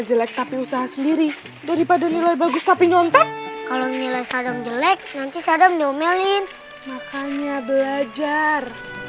jelek tapi usaha sendiri daripada nilai bagus tapi nyontek nanti sadam diomelin makanya belajar